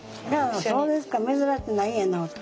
そうですか珍しくないんやな。